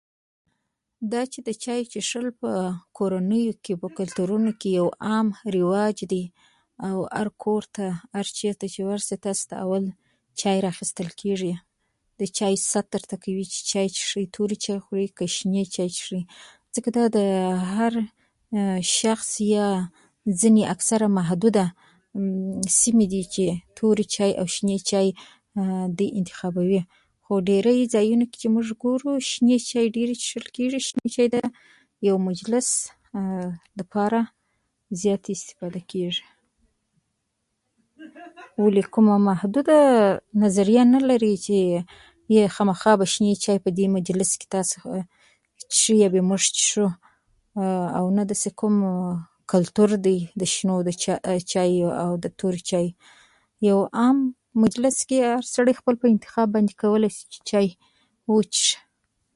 دا چي د چايو څيښل په کورنيو او کلتورونو کي يو عام رواج دی او هر کور ته هر چيري چي ورسې تاسي ته اول چاوي رااخيستل کېږي د چاوو ست درته کوي چي چاوي څيښئ توري چاوي خورئ که شنې چاوي څیښئ ځکه دا د هر شخص يا ځيني اکثره محدودي سيمي دي چي توري چاوي او شنې دوی انتخابوي خو ډېړی ځايونو کي چي موږ ګورو شنې چاوي ډېري څيښل کېږي د يو مجلس دپاره زياتي استفاده کېږي ولي کومه محدوده نظريه نه لري چي يا خامخا به شنې چاوي په دې مجلس کي تاسي څيښئ يا به يې موږ څيښو او نه داسي کوم کلتور دی د شنو چاوو او د تورو چاوو په يو عام مجلس کي هر سړی پخپل انتخاب کوای سي چي چاوي و څيښي .